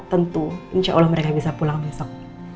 tentu insya allah mereka bisa pulang besok